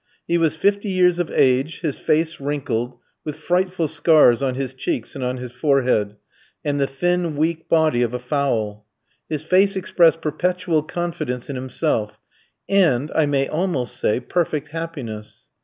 He was fifty years of age, his face wrinkled, with frightful scars on his cheeks and on his forehead, and the thin, weak body of a fowl. His face expressed perpetual confidence in himself, and, I may almost say, perfect happiness.